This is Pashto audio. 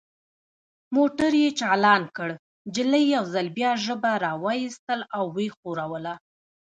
موټر یې چالان کړ، نجلۍ یو ځل بیا ژبه را وایستل او ویې ښوروله.